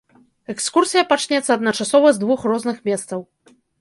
Экскурсія пачнецца адначасова з двух розных месцаў.